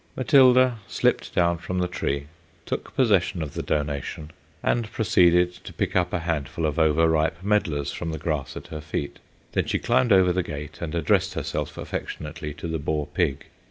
Matilda slipped down from the tree, took possession of the donation, and proceeded to pick up a handful of over ripe medlars from the grass at her feet. Then she climbed over the gate and addressed herself affectionately to the boar pig.